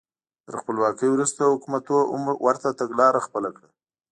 تر خپلواکۍ وروسته حکومتونو هم ورته تګلاره خپله کړه.